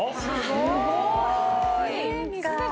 すごい。